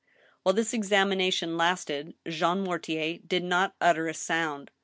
"While this examination lasted, Jean Mortier did not utter a sound.